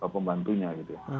pembantunya gitu ya